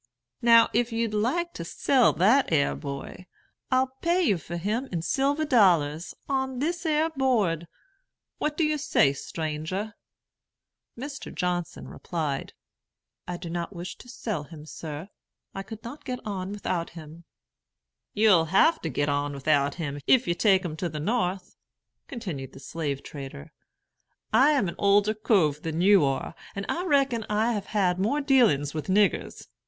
Now, if you'd like to sell that 'ere boy, I'll pay you for him in silver dollars, on this 'ere board. What do you say, stranger?" Mr. Johnson replied, "I do not wish to sell him, sir; I could not get on well without him." "You'll have to get on without him, if you take him to the North," continued the slave trader. "I am an older cove than you are, and I reckon I have had more dealings with niggers.